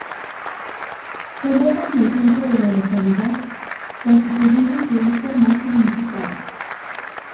Se eleva en el centro de la localidad, constituyendo su hito más significado.